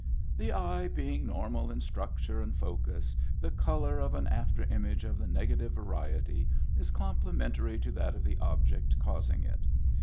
*'The eye being normal in structure and focus, the color of an after image of the negative variety is complementary to that of the object causing it.